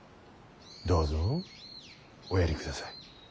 どうぞおやりください。